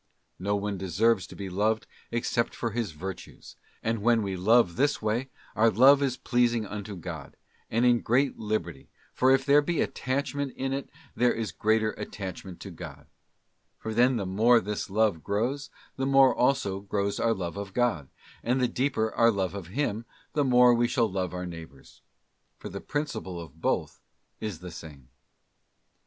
No one deserves to be loved except for his virtues, and when we love in this way, our love is pleasing unto God, and * Prov, xxiii, 31, 32, —EE—S— So BENEFITS or DETACHMENT FROM NATURAL GOODS. 263 in great liberty, and if there be attachment in it there is greater attachment to God. For then the more this love grows, the more also grows our love of God, and the deeper our love of Him the more we shall love our neighbour: for the principle of both is the same.